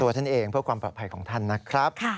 ท่านเองเพื่อความปลอดภัยของท่านนะครับ